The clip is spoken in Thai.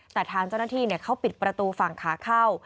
แต่ทางเจ้าหน้าที่เขาปิดประตูฝั่งขาเข้า